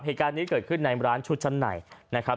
เหตุการณ์นี้เกิดขึ้นในร้านชุดชั้นในนะครับ